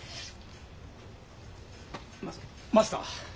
ママスター！